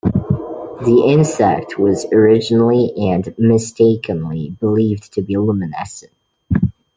The insect was originally - and mistakenly - believed to be luminescent.